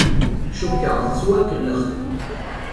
Cukkeɣ tettwakellex.